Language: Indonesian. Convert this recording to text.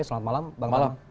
selamat malam bang tama